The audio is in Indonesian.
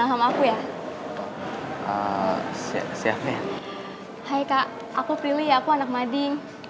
eh bangkuan men